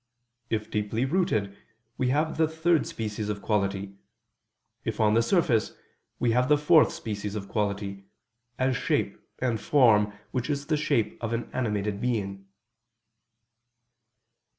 If deeply rooted, we have the third species of quality: if on the surface, we have the fourth species of quality, as shape, and form which is the shape of an animated being."